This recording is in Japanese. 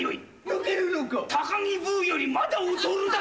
高木ブーよりまだ劣るだと！？